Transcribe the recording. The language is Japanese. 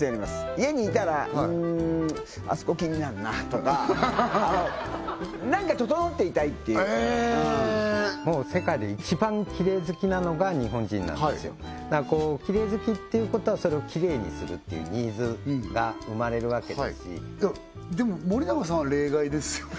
家にいたらうーんあそこ気になるなとかあの何か整っていたいっていううん世界で一番キレイ好きなのが日本人なんですよだからキレイ好きっていうことはそれをキレイにするっていうニーズが生まれるわけですしでも森永さんは例外ですよね？